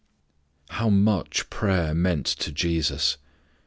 How much prayer meant to Jesus!